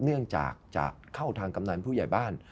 เนื่องจากจะเข้าทางกำนันผู้ใหญ่บ้าน